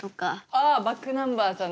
ああｂａｃｋｎｕｍｂｅｒさんの。